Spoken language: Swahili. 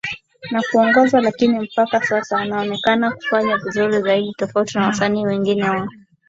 na kuongeza Lakini mpaka sasa anaonekana kufanya vizuri zaidi tofauti na wasanii wengine wa